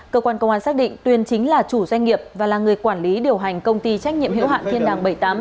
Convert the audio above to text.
cơ quan công an xác định tuyên chính là chủ doanh nghiệp và là người quản lý điều hành công ty trách nhiệm hiệu hạn thiên đằng bảy mươi tám